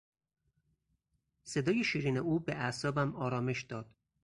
صدای شیرین او به اعصابم آرامش داد.